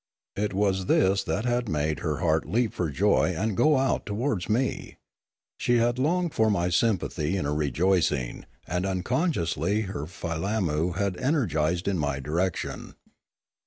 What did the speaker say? It was this that had made her heart leap for joy and go out towards me. She had longed for my sympathy in her rejoicing, and unconsciously her filammu had energised in my direction.